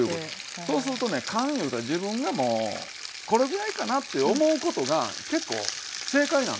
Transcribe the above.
そうするとね勘いうて自分がもうこれぐらいかなって思うことが結構正解なんですよ。